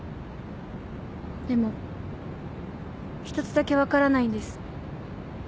でも一つだけ分からないんです。